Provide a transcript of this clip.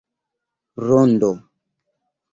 rondo